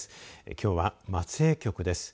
きょうは松江局です。